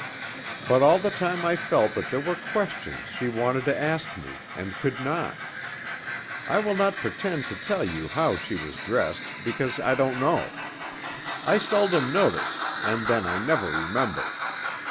But all the time I felt that there were questions she wanted to ask me, and could not. I will not pretend to tell you how she was dressed, because I don't know; I seldom notice, and then I never remember.